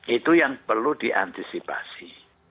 itu yang perlu diantisipasi